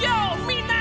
みんな！